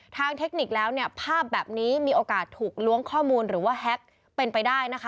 เทคนิคแล้วเนี่ยภาพแบบนี้มีโอกาสถูกล้วงข้อมูลหรือว่าแฮ็กเป็นไปได้นะคะ